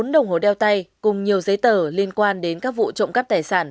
bốn đồng hồ đeo tay cùng nhiều giấy tờ liên quan đến các vụ trộm cắp tài sản